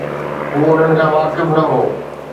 هو انهن کان واقف نه هو.